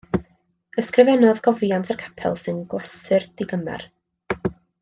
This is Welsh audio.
Ysgrifennodd gofiant i'r capel sy'n glasur digymar.